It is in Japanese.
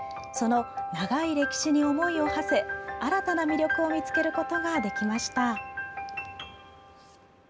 その長い歴史に思いをはせ新たな魅力を見つけることができました。